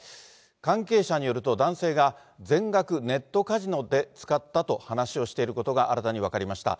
関係者によると、男性が全額ネットカジノで使ったと話をしていることが新たに分かりました。